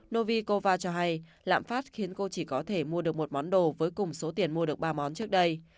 novikova cho hay lạm phát khiến cô chỉ có thể mua được một món đồ với cùng số tiền mua được ba món trước đây